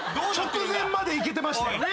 直前までいけてましたよね？